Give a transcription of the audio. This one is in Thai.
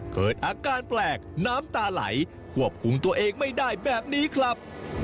เกิดอาการแปลกน้ำตาไหลควบคุมตัวเองไม่ได้แบบนี้ครับ